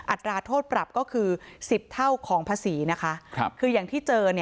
อัตราโทษปรับก็คือ๑๐เท่าของภาษีนะคะคืออย่างที่เจอ